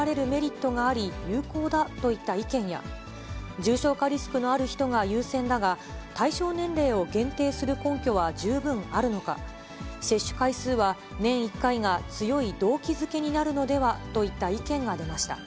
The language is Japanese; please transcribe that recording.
委員からは２価ワクチンで幅広い抗体を得られるメリットがあり、有効だといった意見や、重症化リスクのある人が優先だが、対象年齢を限定する根拠は十分あるのか、接種回数は年１回が強い動機づけになるのではといった意見が出ました。